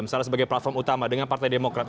misalnya sebagai platform utama dengan partai demokrat